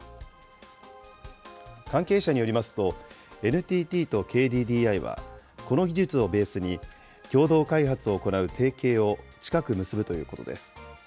関係者によりますと、ＮＴＴとＫＤＤＩは、この技術をベースに、共同開発を行う提携を近く結ぶということです。